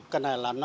cái này là nó